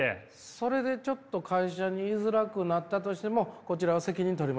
それでちょっと会社にいづらくなったとしてもこちらは責任とれませんので。